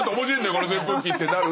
この扇風機ってなる。